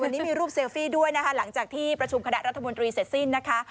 วันนี้มีรูปเซลฟี่ด้วยนะคะหลังจากที่ประชุมคณะรัฐมนตรีเสร็จสิ้นนะคะ